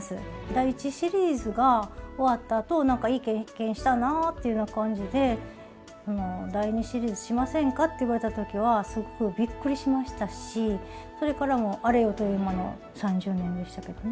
第１シリーズが終わったあと何かいい経験したなっていう感じで第２シリーズしませんかって言われた時はすごくびっくりしましたしそれからあれよという間の３０年でしたけどね。